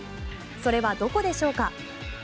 それはどこでしょうか？